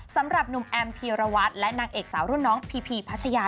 สำหรับหนุ่มแอมพีรวัตรและนางเอกสาวรุ่นน้องพีพีพัชยา